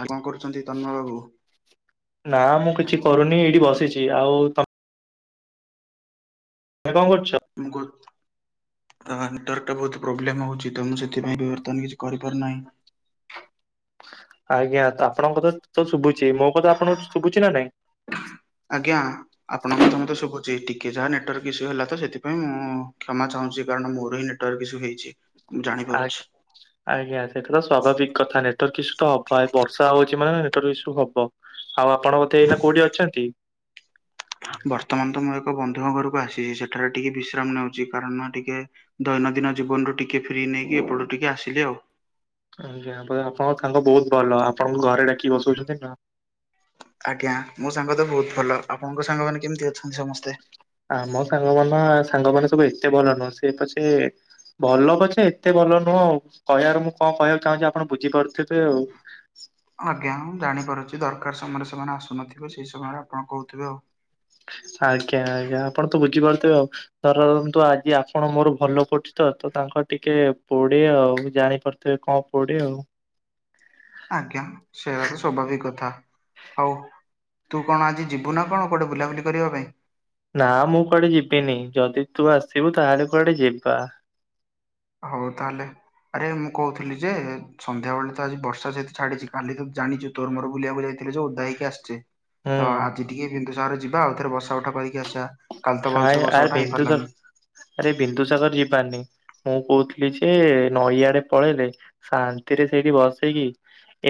ଆଉ କଣ କରୁଛନ୍ତି ତନ୍ନ ବାବୁ [unintelligible] ଇ ଆଉ ତମ୍ କଣ କରୁଛ? [unintelligible] ମୁ କ ତ ନେଟୱାର୍କଟା ବହୁତ ପ୍ରୋବ୍ଲେମ ହେଉଛି, ତ ମୁଁ ସେଥିପାଇଁ ବି ବର୍ତ୍ତମାନ କିଛି କରିପାରୁନାହିଁ। ଆଜ୍ଞା, ତ ଆପଣଙ୍କ କଥା ତ ଶୁଭୁଛି, ମୋ କଥା ଆପଣଙ୍କୁ ଶୁଭୁଛି ନା ନାଇଁ। ଆଜ୍ଞା। ଆପଣଙ୍କ କଥା ମତେ ଶୁବୁଛି, ଟିକେ ଯାହା ନେଟୱାର୍କ ଇସୁ ହେଲା ତ ସେଥିପାଇ ମୁଁ କ୍ଷମା ଚାହୁଁଛି, କାରଣ ମୋର ଏଇଲେ ଟରୁ କିଛୁ ହେଇଛି। ମୁଁ ଆ ଜାଣିପାରୁଛି ଆଜ୍ଞା, ସେଥୁର ସ୍ୱାଭାବିକ କଥା ନେଟୱାର୍କ ଈଶୁ ତ ହ ପ୍ରାଏ ବର୍ଷା ହଉ ଚି ମାନେ ନେଟୱର୍କ ଇସୁ ହବ ଆଉ ଆପଣ ବୋଧେ ଏଇ ନା କୋଉଠି ଅଛନ୍ତି? ବର୍ତ୍ତମାନ ତ ମୁଁ ଏକ ବନ୍ଧୁଙ୍କ ଘରକୁ ଆସିଛି ସେଠାରେ ଟିକେ ବିଶ୍ରାମ ନେଉଛି କାରନ ଟିକେ ଦୈନଦିନ ଜୀବନରୁ ଟିକେ ଫ୍ରି ନେଇକି ଏପଟୁ ଟିକେ ଆସିଲେ ଆଉ ଆଜ୍ଞା ଅପରେ ଆପଣଙ୍କ ସାଙ୍ଗ ବହୁତ ଭଲ ଆପଣଙ୍କୁ ଘରେ ଡାକି ବସଉଛନ୍ତି ନା ଆଜ୍ଞା ମୋ ସାଙ୍ଗ ତ ବହୁତ ଭଲ ଆପଣଙ୍କ ସାଙ୍ଗମାନେ କେମିତି ଅଛନ୍ତି ସମସ୍ତେ? ଆମ ସାଙ୍ଗ ମାନ ସାଙ୍ଗମାନେ ସବୁ ଏତେ ଭଲ ନୁହଁ ସେ ପଛେ ଭଲ ପଛେ ଏତେ ଭଲ ନୁହଁ ଆଉ କହିବାର ମୁଁ କଣ କହିବାକୁ ଚାହୁଁଛି ଆପଣ ବୁଝିପାରୁଥିବେ ଆଉ ଆଜ୍ଞା ହଁ ଜାଣିପାରୁଛି ଦରକାର ସମୟରେ ସେମାନେ ଆସୁନଥିବେ ସେହି ସମୟରେ ଆପଣ କହୁଥିବେ ଆଉ ଆଜ୍ଞା ଆଜ୍ଞା ଆପଣ ତୁ ବୁଝିପାରୁଥିବେ ଆଉ ଧରନ୍ତୁ ଆଜି ଆପଣ ମୋର ଭଲ ପଡୁଛି ତ ତାଙ୍କର ଟିକେ ପୋଡେ ଆଉ ଜାଣିପାରୁ ତେ କଣ ପୋଡେ ଆଉ ଆଜ୍ଞା ସେୟା ତ ସ୍ୱାଭାବିକ୍ କଥା ହଉ ତୁ କଣ ଆଜି ଯିବୁ ନା କଣ କୁଆଡେ଼ ବୁଲାବୁଲି କରିବା ପାଇଁ ନା ମୁଁ କୁଆଡେ ଯିବିନି ଯଦି ତୁ ଆସିବୁ ତାହେଲେ କୁଆଡେ ଯିବା ହଉ ତାହେଲେ ଆରେ ମୁଁ କହୁଥିଲି ଯେ ସନ୍ଧ୍ୟା ବେଳେ ତ ଆଜି ବର୍ଷା ସେହିତ ଛାଡିଛି କାଲି ତୁ ଜାଣିଛୁ ତୋର ମୋର ବୁଲିବାକୁ ଯାଇ ଥିଲେ ଯୋଉ ଓଦା ହେଇକି ଆସିଛେ ହୁଁ ତ ଆଜି ଟିକେ ବିନ୍ଦୁସାଗର ଯିବା ଆଉ ଥରେ ବସା ଉଠା କରିକି ଆସିବା କାଲି ତ କାଇଁ ଭଲସେ ବସା ଆରେ ଉଠା ବିନ୍ଦୁସାଗର ହେଇପାରିଲାନି ଆରେ ବିନ୍ଦୁ ସାଗର ଯିବାନି ମୁଁ କହୁଥିଲି ଯେ ନଈଆଡେ ପଳେଇଲେ ଶାନ୍ତିରେ ସେଇଠି ବସିକି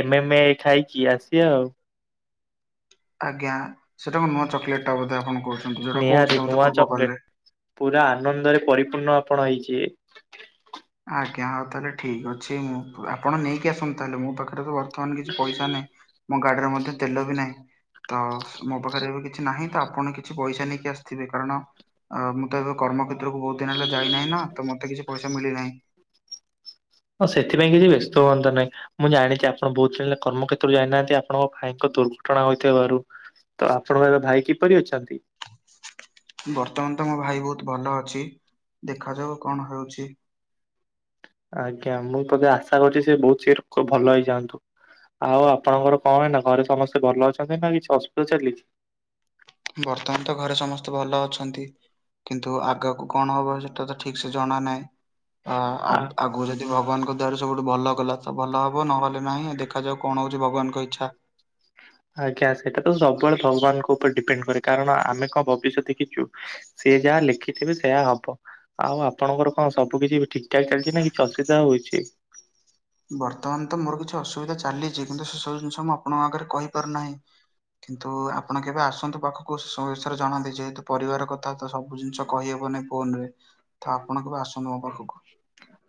ଏମେମେ ଖାଇକି ଆସିବା ଆଉ ଆଜ୍ଞା ସେଟା କ ନୂଆ ଚକୋଲେଟ ଟା ବୋଧେ ଆପଣ କହୁଛନ୍ତି ଯୋଉଟା ନିହାତି କହୁଥିଲେ ମୋତେ ନୂଆ ପୂର୍ବ କଲ୍ ଚକୋଲେଟ। ରେ ପୁରା ଆନନ୍ଦରେ ପରିପୂର୍ଣ୍ଣ ଆପଣ ହେଇଯିବେ। ଆଜ୍ଞା ହଉ ତାହେଲେ ଠିକ ଅଛି ମୁଁ ଆପଣ ନେଇକି ଆସନ୍ତୁ ତାହେଲେ ମୋ ପାଖରେ ତ ଥନ କିଛି ପଇସା ନାହିଁ ମୋ ଗାଡିରେ ମଧ୍ୟ ତେଲ ବି ନାହିଁ ତ ମୋ ପାଖରେ ଏବେ କିଛି ନାହିଁ ତ ଆପଣ କିଛି ପଇସା ନେଇକି ଆସିଥିବେ କାରଣ ଅ ମୁଁ ତ ଏବେ କର୍ମକ୍ଷେତ୍ରକୁ ବହୁତ ଦିନ ହେଲା ଯାଇନାହିଁ ନା ତ ମୋତେ କିଛି ପଇସା ମିଳିନାହିଁ। [inaudible] ହଁ ସେଥିପାଇଁ କିଛି ବ୍ୟସ୍ତ ହୁଅନ୍ତୁ ନାହିଁ। ମୁଁ ଜାଣିଛି ଆପଣ ବହୁତ ଦିନ କର୍ମକ୍ଷେତ୍ରରୁ ଯାଇନାହାନ୍ତି ଆପଣଙ୍କ ଭାଇଙ୍କ ଦୁର୍ଘଟଣା ହୋଇଥିବାରୁ ତ ଆପଣଙ୍କ ଏବେ ଭାଇ କିପରି ଅଛନ୍ତି? ବର୍ତ୍ତମାନ ତ ମୋ ଭାଇ ବହୁତ ଭଲ ଅଛି ଦେଖାଯାଉ କଣ ହଉଛି। ଆଜ୍ଞା ମୁଁ ତ ଯାହା ଆଶା କରୁଛି ସେ ବହୁତ ଶୀଘ୍ର ଖୁବ୍ ଭଲ ହେଇଯାଆନ୍ତୁ। ଆଉ ଆପଣଙ୍କର କଣ ଏଇନା ଘରେ ସମସ୍ତେ ଭଲ ଅଛନ୍ତି ନା କିଛି ଅସୁବିଧା ଚାଲିଛି ବର୍ତ୍ତମାନ ତ ଘରେ ସମସ୍ତେ ଭଲ ଅଛନ୍ତି। କିନ୍ତୁ ଆଗକୁ କଣ ହବ ସେଟା ତ ଠିକ୍ ସେ ଜଣା ନାହିଁ ଅ ଆ ଆଗକୁ ଯଦି। ଯଦି ଭଗବାନଙ୍କ ଦୟାରୁ ସବୁଠୁ ଭଲ କଲା ତ ଭଲ ହବ ନହେଲେ ନାହିଁ ଦେଖାଯାଉ କଣ ହଉଛି ଭଗବାନଙ୍କ ଇଚ୍ଛା। ଆଜ୍ଞା ସେଇଟା ତ ସବୁବେଳେ ଭଗବାନଙ୍କ ଉପରେ ଡିପେଣ୍ଡ କରେ କାରଣ ଆମେ କଣ ଭବିଷ୍ୟୂ ଦେଖିଛୁ। ସିଏ ଯାହା ଲେଖିଥିବେ ସେୟା ହବ। ଆଉ ଆପଣଙ୍କର କଣ ସବୁ କିଛି ଠିକ୍ ଠାକ୍ ଚାଲିଛି ନା କିଛି ଅସୁବିଧା ହଉଛି ବର୍ତ୍ତମାନ ତ ମୋର କିଛି ଅସୁବିଧା ଚାଲିଛି କିନ୍ତୁ ସେ ସବୁ ଜିନିଷ ମୁଁ ଆପଣଙ୍କ ଆଗରେ କହିପାରୁ ନାହିଁ। କିନ୍ତୁ ଆପଣ କେବେ ଆସନ୍ତୁ ପାଖକୁୁ ସୋଇଛାରେ ଜାଣନ୍ତି ଯେହେତୁ ପରିବାର କଥା ତ ସବୁ ଜିନିଷ କହିହେବନି। ଫୋନ ରେ ତ ଆପଣ କେବେ ଆସନ୍ତୁ ମୋ ପାଖକୁ?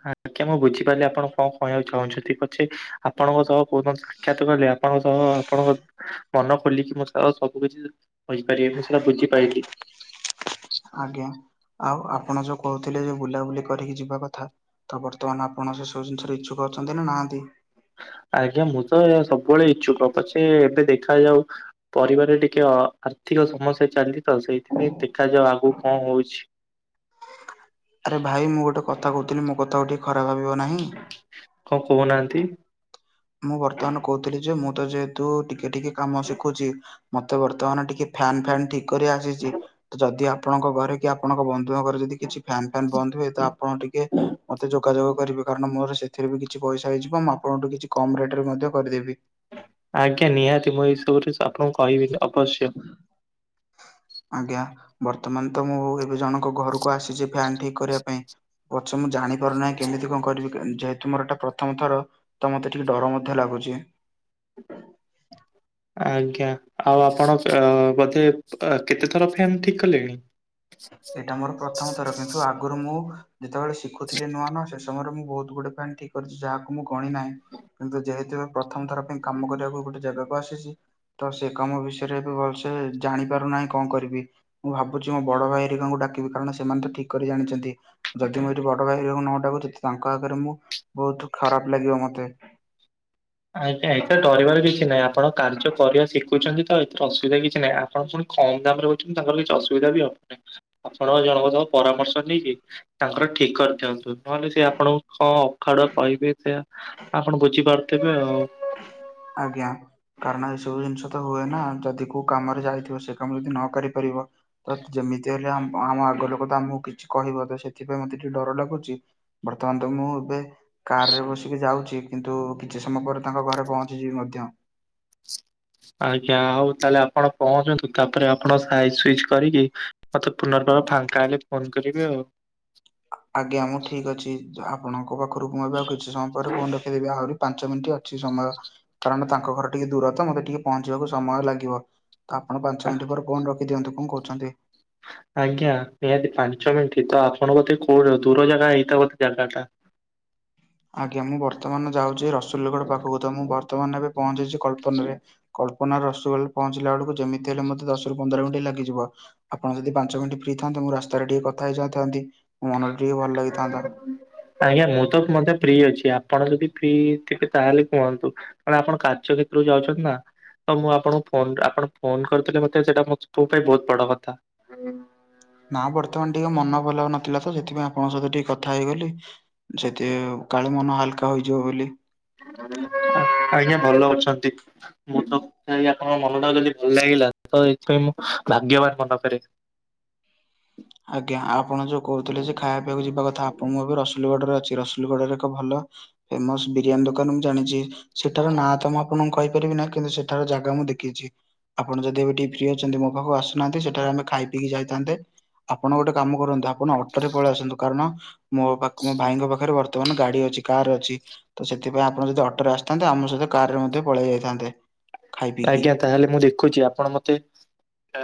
ହଁ ଆଜ୍ଞା ମୁଁ ବୁଝିପାରିଲି ଆପଣ କଣ କହିବାକୁ ଚାହୁଁଛନ୍ତି ପଛେ। ଆପଣଙ୍କ ସହ କୋଉ ଦିନ ସାକ୍ଷାତ କଲି ଆପଣଙ୍କ ସହ ଆପଣଙ୍କ ମନ ଖୋଲିକି ମୋ ସହିତ ସବୁ କିଛି କହିପାରିବେ ମୁଁ ସେଟା ବୁଝିପାଇଲିି। ଆଜ୍ଞା ଆଉ ଆପଣ ଯୋଉ କହୁଥିଲେ ଯେଉ ବୁଲାବୁଲି କରିକି ଯିବା କଥା ତ ବର୍ତ୍ତମାନ ଆପଣ ସେ ସବୁ ଜିନିଷରେ ଇଚ୍ଛୁକ ଅଛନ୍ତି ନା ନାହାନ୍ତି? ଆଜ୍ଞା ମୁଁ ତ ଏହା ସବୁବେଳେ ଇଚ୍ଛୁକ ପଛେ ଏବେ ଦେଖାଯାଉ। ପରିବାରରେ ଟିକେ ଆର୍ଥିକ ସମସ୍ୟା ଚାଲିଛି ତ ସେଇଥିପାଇଁ ଦେଖାଯାଉ ଆଗକୁ କଣ ହଉଛି। ଆରେ ଭାଇ ମୁଁ ଗୋଟେ କଥା କହୁଥିଲି ମୋ କଥାକୁ ଟିକେ ଖରାପ ଭାବିବ ନାହିଁ? କଣ କହୁନାହାନ୍ତି? ମୁଁ ବର୍ତ୍ତମାନ କହୁଥିଲି ଯେ ମୁଁ ତ ଯେହେତୁ ଟିକେ ଟିକେ କାମ ଶିଖୁଛି। ମତେ ବର୍ତ୍ତମାନ ଟିକେ ଫ୍ୟାନ୍ ଫ୍ୟାନ୍ ଠିକ୍ କରି ଆସିଛି ତ ଯଦି ଆପଣଙ୍କ ଘରେ କି ଆପଣଙ୍କ ବନ୍ଧୁଙ୍କ ଘରେ ଯଦି କିଛି ଫ୍ୟାାନ ଫ୍ୟାନ୍ ବନ୍ଦ ହୁଏ ତ ଆପଣ ଟିକେ ମତେ ଯୋଗାଯୋଗ କରିବେ। କାରଣ ମୋର ସେଥିରେ ବି କିଛି ପଇସା ହେଇଯିବ ମୁଁ ଆପଣଠୁ କିଛି କମ ରେଟ୍ ରେ ମଧ୍ୟ କରିଦେବି। ଆଜ୍ଞା ନିହାତି ମୁଁ ଏସବୁରେ ଆପଣଙ୍କୁ କହିବି ଅବଶ୍ୟ। ହ। ଆଜ୍ଞା ବର୍ତ୍ତମାନ ତ ମୁଁ ଏବେ ଜଣଙ୍କ ଘରକୁ ଆସିଛି ଫ୍ୟାନ ଠିକ କରିବା ପାଇଁ। ପଛେ ମୁଁ ଜାଣିପାରୁନାହିଁ କେମିତି କଣ କରିବି ଯେହେତୁ ମୋର ଏଟା ପ୍ରଥମ ଥର ତ ମତେ ଟିକେ ଡର ମଧ୍ୟ ଲାଗୁଚି। ଆଜ୍ଞା ଆଉ ଆପଣ ବୋଧେ କେତେ ଥର ଫ୍ୟନ୍ ଠିକ୍ କଲେଣି? ଏଇଟା ମୋର ପ୍ରଥମ ଥର କିନ୍ତୁ ଆପ୍ ଆଗରୁ ମୁଁ ଯେତେବେଳେ ଶିଖୁଥିଲି ନୂଆ ନୂଆ ସେ ସମୟରେ ମୁଁ ବହୁତ ଗୁଡିଏ ଫ୍ୟାନ୍ ଠିକ୍ କରିଛି ଯାହାକୁ ମୁଁ ଗଣି ନାହିଁ। କିନ୍ତୁ ଯେହେତୁ ପ୍ରଥମ ଥର ପାଇଁ କାମ କରିବାକୁ ଗୋଟେ ଜାଗାକୁ ଆସିଛି। ତ ସେ କାମ ବିଷୟରେ ଏବେ ଭଲସେ ଜାଣି ପାରୁନାହିଁ କଣ କରିବି ମୁଁ ଭାବୁଛି ମୋ ବଡ ଭାଇ। ଘରିକାଙ୍କୁ ଡାକିବି କାରଣ ସେମାନେ ତ ଠିକ କରି ଜାଣିଛନ୍ତି। ଯଦି ମୁଁ ଏଠି ବଡ ଭାଇ ଘରିକାକଙ୍କୁ ନ ଡାକୁିଛି ତାଙ୍କ ଆଗରେ ମୁଁ ବହୁତ ଖରାପ ଲାଗିବ ମତେ। ଆଜ୍ଞା ଏଥରେ ଡରିବାର କିଛି ନାହିଁ ଆପଣ କାର୍ଯ୍ୟ କରିବା ଶିଖୁଛନ୍ତି ତ ଏଥିରେ ଅସୁବିଧା କିଛି ନାହିଁ ଆ ହଁ ପୁଣି କମ୍ ଦାମରେ ରହୁଛନ୍ତି ତାଙ୍କର କିଛି ଅସୁବିଧା ବି ହବନି ଆପଣଙ୍କ ଜଣଙ୍କ ସହ ପରାମର୍ଶ ନେଇକି। ତାଙ୍କର ଠିକ କରିଦିଅନ୍ତୁ ନହେଲେ ସେ ଆପଣଙ୍କୁ କଣ ଅଖାଡୁଆ କହିବେ ସେ ଆପଣ ବୁଝିପାରୁଥିବେ ଆଉ। ଆଜ୍ଞା। କାରଣ ଏସବୁ ଜିନିଷ ତ ହୁଏ ନା ଯଦି କୋଉ କାମରେ ଯାଇଥିବ ସେ କାମ ଯଦି ନ କରିପାରିବ ତ ଯେମିତି ହେଲେ ଆମ ଆମ ଆଗ ଲୋକ ତ ଆମକୁ କିଛି କହିବ ତ ସେଥିପାଇଁ ମତେ ଟିକେ ଡର ଲାଗୁଛି। ବର୍ତ୍ତମାନ ତ ମୁଁ ଏବେ କାର୍ ରେ ବସିକି ଯାଉଛି କିନ୍ତୁ କିଛି ସମୟ ପରେ ତାଙ୍କ ଘରେ ପହଞ୍ଚିଯିବି ମଧ୍ୟ। ଆଜ୍ଞା ହଉ ତାହେଲେ ଆପଣ ପହଞ୍ଚନ୍ତୁ ତାପରେ ଆପଣ ସାଇଜ ସୁଇଚ କରିକି ମତେ ପୁନର୍ବାର ଫାଙ୍କା ହେଲେ ଫୋନ୍ କରିବେ ଆଉ। ଆଜ୍ଞା ମୁଁ ଠିକ ଅଛି ଆପଣଙ୍କ ପାଖରୁ ମୁଁ ଏବେ ଆଉ କିଛି ସମୟ ପରେ ଫୋନ୍ ରଖିଦେବି ଆହୁରି ପାଞ୍ଚ ମିନିଟ ଅଛି ସମୟ କାରଣ ତାଙ୍କ ଘର ଟିକେ ଦୂର ତ ମତେ ଟିକେ ପହଞ୍ଚିବାକୁ ସମୟ ଲାଗିବ। ତ ଆପଣ ପାଞ୍ଚ ଆ- ମିନିଟ୍ ପରେ ଫୋନ ରଖି ଦିଅନ୍ତୁ କଣ କହୁଛନ୍ତି? ଆଜ୍ଞା ନିହାତି ପାଞ୍ଚ ମିନିଟ୍ ତ ଆପଣ କୋଉ ଦୂର ଜାଗା ହେଇଥାିବ ବୋଧେ ଜାଗା ଟା। ଆଜ୍ଞା ମୁଁ ବର୍ତ୍ତମାନ ଯାଉଛି ରସୁଲଗଡ ପାଖକୁ ତ ମୁଁ ବର୍ତ୍ତମାନ ଏବେ ପହଞ୍ଚିଛି କଳ୍ପନ ରେ କଳ୍ପ କଳ୍ପନା ରସୁଲଗ ପହଞ୍ଚିଲା ବେକୁ ଯେମିତି ହେଲେ ମତେ ଦଶ ପନ୍ଦର ମିନିଟ ଲାଗିଯିବ ଆପଣ ଯଦି ପାଞ୍ଚ ମିନିଟ ଫ୍ରିଥାନ୍ତେ ମୁ ରାସ୍ତାରେ ଟିକେ କଥା ହେଇଯାଇଥାନ୍ତି। ମନଟା ଟିକିେ ଭଲ ଲାଗିଥାନ୍ତା। ଆଜ୍ଞା ମୁଁ ତ ମଧ୍ୟ ଫ୍ରି ଅଛି ଆପଣ ଯଦି ଫ୍ରି ଟିକେ ତାହେଲେ କୁହନ୍ତୁ କାଳେ ଆପଣ କାର୍ଯ୍ୟକ୍ଷେତ୍ରକୁ ଯାଉଛନ୍ତି ନା। ତ ମୁଁ ଆପଣଙ୍କୁ ଫୋନ ଆପଣ ଫୋନ କରିଥିଲେ ମତେ ସେଇଟା ମୋ [unintelligible] ପାଇଁ ବହୁତ ବଡ଼ କଥା। ହୁଁ। [inaudible] ନା ବର୍ତ୍ତମାନ ଟିକେ ମନ ଭଲ ନଥିଲା ତ ସେଥିପାଇଁ ଆପଣଙ୍କ ସହିତ ଟିକେ କଥା ହେଇଗଲି। ଯଦିହେଉ କାଳେ ମନ ହାଲକା ହୋଇଯିବ ବୋଲି। ଆ ଆଜ୍ଞା ଭଲ ଅଛନ୍ତି? ମୁଁ ତ କଥା ହେଇ ଆପଣଙ୍କ ମନ ଟାକୁ ଯଦି ଭଲ ଲାଗିଲା ତ ଏଇଥିପାଇଁ ମୁଁ ଭାଗ୍ୟବାନ ମନେକରେ। ଆଜ୍ଞା ଆପଣ ଯୋଉ କହୁଥିଲେ ଯେ ଖାଇବା ପିଇବାକୁ ଯିବା କଥା ଆପଣଙ୍କୁ ଏବେ ରସୁଲଗଡ଼ ରେ ଅଛି ରସୁଲଗଡ଼ ରେ ଏକ ଭଲ ଫେମସ୍ ବିରିୟାନୀ ଦୋକାନ ମୁଁ ଜାଣିଛି। ସେଠାର ନାଁ ତ ମୁଁ ଆପଣଙ୍କୁ କହିପାରିବି ନାହିଁ କିନ୍ତୁ ସେଠାର ଜାଗା ମୁଁ ଦେଖିଛି। ଆପଣ ଯଦି ଏବେ ଟିକେ ଫ୍ରି ଅଛନ୍ତି ମୋ ପାଖକୁ ଆସୁନାହାନ୍ତି ସେଠାରେ ଆମେ ଖାଇ ପିଈକି ଯାଇଥାନ୍ତେ। ଆପଣ ଗୋଟେ କାମ କରନ୍ତୁ ଆପଣ ଅଟୋ ରେ ପଳେଇ ଆସନ୍ତୁ କାରଣ ମୋ ପାଖକୁ ମୋ ଭାଇଙ୍କ ପାଖରେ ବର୍ତ୍ ବର୍ତମାନ୍ ଗାଡି ଅଛି କାର ଅଛି ତ ସେଥିପାଇଁ ଆପଣ ଯଦି ଅଟୋରେ ଆସିଥାନ୍ତେ ଆମ ସହିତ କାର ରେ ମଧ୍ୟ ପଳେଇ ଯାଇଥାନ୍ତେ ଖାଇ ପିଇକି। ଆଜ୍ଞା ତାହେଲେ ମୁଁ ଦେଖୁଛି ଆପଣ ମତେ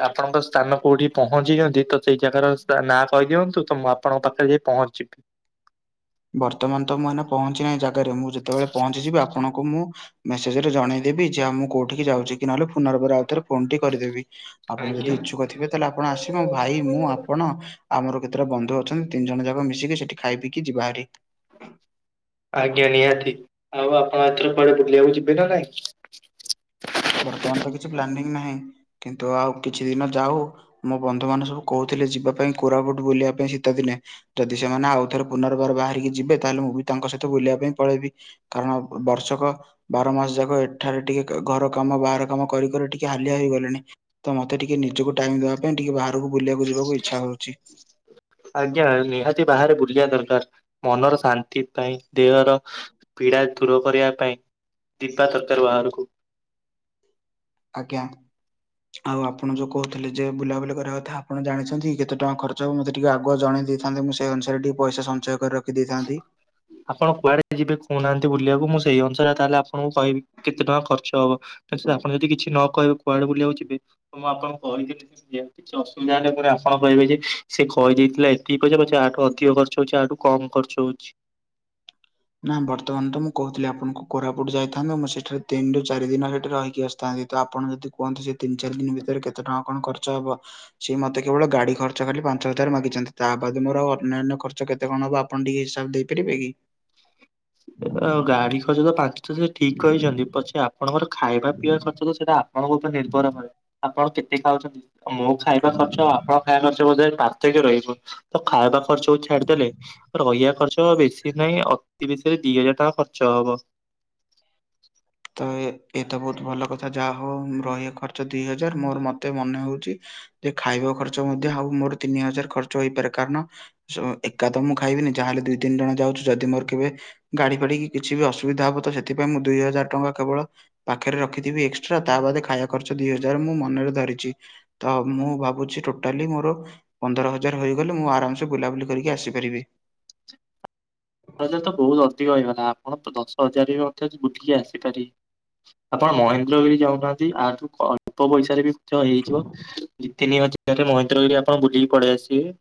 ଆପଣଙ୍କ ସ୍ଥାନ କୋଉଠି ପହଞ୍ଚିଛନ୍ତି ତ ସେଇ ଜାଗାର ନାଁ କହିଦିଅନ୍ତୁ ତ ଆପଣଙ୍କ ପାଖରେ ଯାଇଁ ପହଞ୍ଚିିଯିବି। ବର୍ତ୍ତମାନ ତ ମୁଁ ଏନା ପହଞ୍ଚି ନାହିଁ ଜାଗାରେ ମୁଁ ଯେତେବେଳେ ପହଞ୍ଚିଯିବି ଆପଣଙ୍କୁ ମୁଁ ମେସେଜ ରେ ଜଣେଇଦେବି ଯେଉ ମୁଁ କୋଉଠିକି ଯାଉଛି କି ନହେଲେ ପୁନର୍ ବାର ଆଉ ଥରେ ଫୋନ ଟି କରିଦେବି। ଆପଣ ଯଦି ଆଜ୍ଞା ଇଚ୍ଛୁକ ଥିବେ ତାହେଲେ ଆପଣ ଆସିବେ ଭାଇ ମୁଁ ଆପଣ ଆମର କେତେଟା ବନ୍ଧୁ ଅଛନ୍ତି ତିନି ଜଣ ଯାକ ମିଶିକି ସେଠି ଖାଇ ପିଇକି ଯିବା ହାରି ଆଜ୍ଞା ନିହାତି ଆଉ ଆପଣ ଏଥର କୁଆଡେ ବୁଲିବାକୁ ଯିବେ ନା ନାଇଁ? ବର୍ତ୍ତମାନ ତ କିଛି ପ୍ଲାନିଂ ନାହିଁ କିନ୍ତୁ ଆଉ କିଛି ଦିନ ଯାଉ ମୋ ବନ୍ଧୁ ମାନେ ସବୁ କହୁଥିଲେ ଯିବା ପାଇଁ କୋରାପୁଟ ବୁଲିବା ପାଇଁ ସୀତ ଦିନେ ଯଦି ସେମାନେ ଆଉ ଥରେ ପୁନର୍ବାର ବାହାରିକି ଯିବେ ତାହେଲେ ମୁଁ ବି ତାଙ୍କ ସହିତ ବୁଲିବା ପାଇଁ ପଳେଇବି। କାରଣ ବର୍ଷକ ବାର ମାସ ଯାକ ଏଠାରେ ଟିକେ ଘର କାମ ବାହାର କାମ କରିି କରି ଟିକେ ହାଲିଆ ହେଇ ଗଲିଣି। ତ ମୋତେ ଟିକେ ନିଜକୁ ଟାଇମ ଦେବା ପାଇଁ ଟିକେ ବାହାରକୁ ବୁଲିବାକୁ ଯିବାକୁ ଇଚ୍ଛା ହଉଛି। ଆଜ୍ଞା ନିହାତି ବାହାରେ ବୁଲିବା ଦରକାର ମନର ଶାନ୍ତି ପାଇଁ ଦେହର ପୀଡା ଦୂର କରିବା ପାଇଁ ଦିବା [unintelligible] ତରକାରୀ ବାହାରକୁ ଆଜ୍ଞା। ଆଉ ଆପଣ ଯୋଉ କହୁଥିଲେ ଯେ ବୁଲାବୁଲି କରିବା କଥା ଆପଣ ଜାଣିଛନ୍ତି କେତେ ଟଙ୍କା ଖର୍ଚ୍ଚ ହେବ ମୋତେ ଟିକେ ଆଗୁଆ ଜଣେଇ ଦେଇ ଥାନ୍ତେ ମୁଁ ସେଇ ଅନୁସାରେ ଟିକେ ପଇସା ସଞ୍ଚୟ କରି ରଖି ଦେଇଥାନ୍ତି। ଆପଣ କୁଆଡେ ଯିବେ କହୁନାହାନ୍ତି ବୁଲିବାକୁ ମୁଁ ସେଇ ଅନୁସାରେ ତାହେଲେ ଆପଣଙ୍କୁ କହିବି କେତେ ଟଙ୍କା ଖର୍ଚ୍ଚ ହବ ତି ଆପଣ ଯଦି କିଛି ନ କହିବେ କୁଆଡେ ବୁଲିବାକୁ ଯିବେ ମୁଁ ଆପଣଙ୍କୁ କହିି ହ [inaudible] ଅସୁବିଧା ହେଲେ ପରେ ଆପଣ କହିବେ ଯେ ସେ କହିଯେଇଥିଲା ଏତିକି ପଇସା ପଛ ଆଠୁ ଅଧିକ ଖର୍ଚ ହଉଛି ଆଠୁ କମ ଖର୍ଚ୍ଚ [unintelligible] ର ଅଛି ନା ବର୍ତ୍ତମାନ ତ ମୁଁ କହୁଥିଲି ଆପଣଙ୍କୁ କୋରାପୁଟ ଯାଇଥାନ୍ତେ ମୁଁ ସେଠାରେ ତିନ ରୁ ଚାରି ଦିନ ସେଇଠି ରହିକି ଆସିି ଥାନ୍ତି ତ ଆପଣ ଯଦି କୁହନ୍ତି ସେ ତିନି ଚାରି ଦିନ ଭିତରେ କେତେ ଟଙ୍କା କଣ ଖର୍ଚ୍ଚ ହେବ ସିଏ ମତେ କେବଳ ଗାଡି ଖର୍ଚ୍ଚ ଖାଲି ପାଞ୍ଚ ହଜାର ମାଗିଛନ୍ତି ତାହା ବାଦ ମୋର ଆଉ ଅନ୍ୟାନ୍ୟ ଖର୍ଚ୍ଚ କେତେ କଣ ହବ ପନ୍ଡିଏସାବ ଦେଇ ପାରିବେ କି? ଗାଡି ଖର୍ଚ୍ଚ ତ ପାଞ୍ଚ ହଜାର ଠିକ୍ କହିଛନ୍ତି ପଛେ ଆପଣଙ୍କର ଖାଇବା ପିଇବା ଖର୍ଚ୍ଚ ସେଇଟା ଆପଣଙ୍କ ଉପରେ ନିର୍ଭର କରେ ଆପଣ କେତେ ଖାଉଛନ୍ତି ମୁଁ ଖାଇବା ଖର୍ଚ୍ଚ ଆପଣଙ୍କ ଖାଇବା ଖର୍ଚ୍ଚ ବୋଧେ ପାର୍ଥକ୍ୟ ରହିବ ତ ଖାଇବା ଖର୍ଚକୁ ଛାଡିଦେଲେ ରହିବା ଖର୍ଚ୍ଚ ବେଶୀ ନାହିଁ ଅତି ବେଶୀରେ ଦି ହଜାର ଟଙ୍କା ଖର୍ଚ୍ଚ ହବ ତ ଏଇତ ବହୁତ ଭଲ କଥା ଯାହା ହଉ ରହିବା ଖର୍ଚ୍ଚ ଦି ହଜାର ମୋର ମତେ ମନେ ହଉଛି ଯେ ଖାଇବା ଖର୍ଚ୍ଚ ମଧ୍ୟ ଆଉ ମୋର ତିନି ହଜାର ଖର୍ଚ୍ଚ ହେଇପାରେ କାରଣ ଏକା ତ ମୁଁ ଖାଇବିନି ଯାହାେଲେ ଦୁଇ ତିନି ଜଣ ଯାଉଛିୁ ଯଦି ମୋର କେବେ ଗାଡି ଫାଡି କି କିଛି ବି ଅସୁବିଧା ହବ ତ ସେଥିପାଇ ମୁଁ ଦୁଇ ହଜାର ଟଙ୍କା କେବଳ ପାଖରେ ରଖିଥିବି ଏକ୍ସଟ୍ରା ତା ବାଦ ଖାଇବା ଖର୍ଚ୍ଚ ଦିଇ ହଜାର ମୁଁ ମନରେ ଧରିଛି। ତ ମୁଁ ଭାବୁଛି ଟୋଟାଲି ମୋର ପନ୍ଦର ହଜାର ହୋଇଗଲେ ମୁଁ ଆରାମସେ ବୁଲାବୁଲି କରିକି ଆସିପାରିବି। ଜାର ତ ବହୁତ ଅଧିକ ହେଇଗଲା ଆପଣ ତ ଦଶ ହଜାରରେ ବି ଅ ବୁଲିକି ଆସିପାରିବେ। ଆପଣ ମହେନ୍ଦ୍ରଗିରି ଯାଉନାହାନ୍ତି ଆଠୁ ଅଳ୍ପ ପଇସାରେ ବି ମଧ୍ୟ ହେଇଯିବ। ଦି ତିନି ହଜାରେ ମହେନ୍ଦ୍ରଗିରି ଆପଣ ବୁଲିକି ପଳେଇ ଆସିବେ।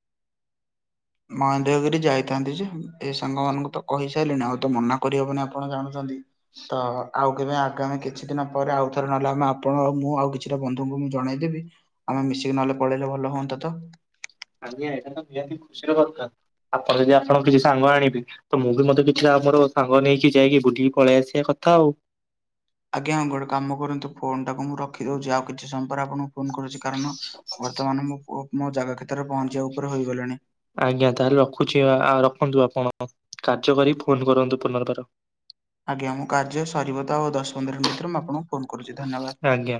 ମହେନ୍ଦ୍ରଗିରି ଯାଇଥାନ୍ତି ଯେ ଏ ସାଙ୍ଗ ମାନଙ୍କୁ ତ କହିସାରିଲଣି ଆଉ ତ ମନା କରି ହବନି ଆପଣ ଜାଣୁଛନ୍ତି। ତ ଆଉ କେବେ ଆଗାମି ଖେ କିଛି ଦିନ ପରେ ଆଉ ଥରେ ନହେଲେ ଆମେ ଆପଣ ଆଉ ମୁଁ ଆଉ କିଛିଟା ବନ୍ଧୁଙ୍କୁ ମୁଁ ଜଣେଇଦେବି। ଆମେ ମିଶିକି ନହଲେ ପଳେଇଲେ ଭଲ ହୁଅନ୍ତା ତ? ଆଜ୍ଞା ଏଇଟା ତ ନିହାତି ଖୁସିର କଥା ଆପଣ ଯଦି ଆପଣଙ୍କ କିଛି ସାଙ୍ଗ ଆଣିବେ ତ ମୁଁ ବି ମତେ କିଛିଟା ମୋର ସାଙ୍ଗ ନେଇକି ଯାଇକି ବୁଲିକି ପଳେଇ ଆସିବା କଥା ଆଉ। ଆଜ୍ଞା ଗୋଟେ କାମ କରନ୍ତୁ ଫୋନ ଟାକୁ ମୁଁ ରଖି ଦଉଛି, ଆଉ କିଛି ସମୟ ପରେ ଆପଣଙ୍କୁ ଫୋନ କରୁଛି କାରଣ ବର୍ତ୍ତମାନ ମୁଁ ମୋ ଜାଗା କ୍ଷେତ୍ରରେ ପହଞ୍ଚିବା ଉପରେ ହୋଇଗଲିଣି। ଆଜ୍ଞା ତାହେଲେ ରଖୁଛି ଆ-ରଖନ୍ତୁ ଆପଣ କାର୍ଯ୍ୟ କରି ଫୋନ କରନ୍ତୁ ପୁନର୍ବାର। ଆଜ୍ଞା ମୁଁ କାର୍ଯ୍ୟ ସରିବ ତ ଆଉ ଦଶ ପନ୍ଦର ମିନଟି ଭିତରେ, ମୁଁ ଆପଣଙ୍କୁ ଫୋନ କରୁଛି ଧନ୍ୟବାଦ। ଆଜ୍ଞା।